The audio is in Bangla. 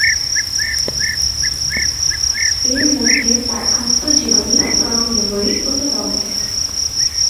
এরমধ্যে তার আত্মজীবনী "ফ্রম মেমরি" অন্যতম।